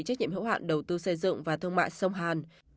trách nhiệm hữu hạn đầu tư xây dựng và thương mại sông hàn